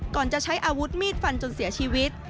ก่อนจะใช้อาวุธมีดฟันจนเสียชีวิต